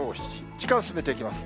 時間進めていきます。